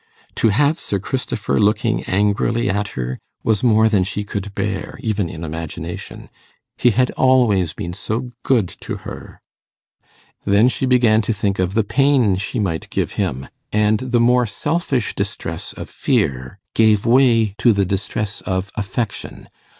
To have Sir Christopher looking angrily at her, was more than she could bear, even in imagination. He had always been so good to her! Then she began to think of the pain she might give him, and the more selfish distress of fear gave way to the distress of affection.